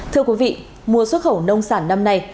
thưa quý vị mùa xuất khẩu nông sản năm nay